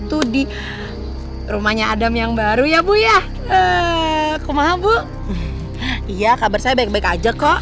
tuh di rumahnya adam yang baru ya bu ya kumaha bu iya kabar saya baik baik aja kok